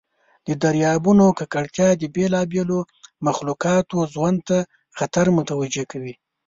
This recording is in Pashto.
د دریابونو ککړتیا د بیلابیلو مخلوقاتو ژوند ته خطر متوجه کوي.